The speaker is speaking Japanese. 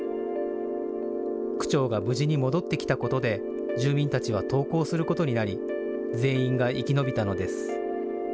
区長が無事に戻ってきたことで住民たちは投降することになり、全員が生き延びたのです。